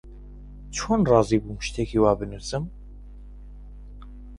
چۆن ڕازی بووم شتێکی وا بنووسم؟